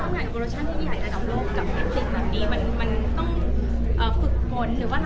แล้วมันต้องร่วมตัวออกมากกว่าโรชั่นใหญ่ระดับโลกกับเม็ดสิทธิ์แบบนี้